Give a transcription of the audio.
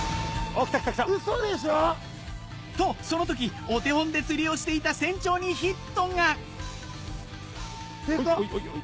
ウソでしょ？とその時お手本で釣りをしていた船長にヒットがデカっ。